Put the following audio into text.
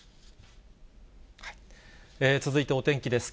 続いてお天気です。